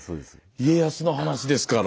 家康の話ですから。